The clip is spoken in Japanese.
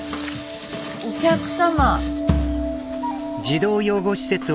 お客様。